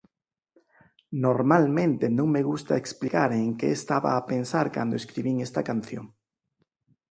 Normalmente non me gusta explicar en que estaba a pensar cando escribín esta canción.